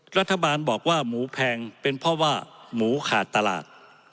รัฐบาลบอกว่าหมูแพงเป็นเพราะว่าหมูขาดตลาด